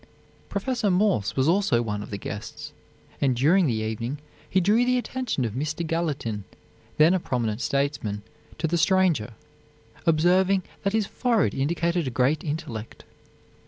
Professor Morse was also one of the guests, and during the evening he drew the attention of Mr. Gallatin, then a prominent statesman, to the stranger, observing that his forehead indicated a great intellect.